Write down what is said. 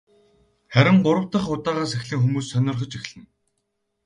Харин гурав дахь удаагаас эхлэн хүмүүс сонирхож эхэлнэ.